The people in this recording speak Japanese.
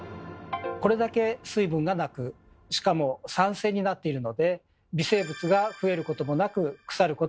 これだけ水分がなくしかも酸性になっているので微生物が増えることもなく腐ることはありません。